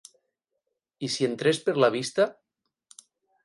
I si entrés per la vista?